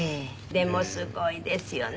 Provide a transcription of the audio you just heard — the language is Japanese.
でもすごいですよね。